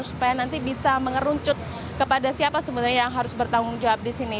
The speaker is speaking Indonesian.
supaya nanti bisa mengerucut kepada siapa sebenarnya yang harus bertanggung jawab di sini